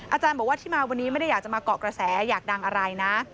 อาจารย์บอกว่าที่มาวันนี้ไม่ได้อยากจะมาเกาะกระแสอยากดังอะไรนะ